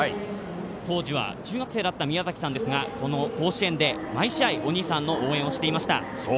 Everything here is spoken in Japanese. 当時は、中学生だったみやざきさんですが甲子園で毎試合お兄さんの応援をしていました。